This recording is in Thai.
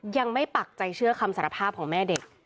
ปักใจเชื่อคำสารภาพของแม่เด็ก